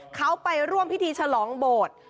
เขาไปร่วมพิธีฉลองโบสถ์